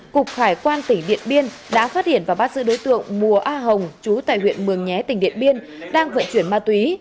cục hải quan tỉnh điện biên đã phát hiện và bắt giữ đối tượng mùa a hồng chú tại huyện mường nhé tỉnh điện biên đang vận chuyển ma túy